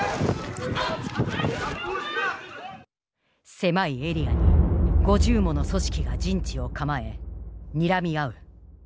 狭いエリアに５０もの組織が陣地を構えにらみ合う。